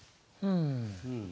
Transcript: うん。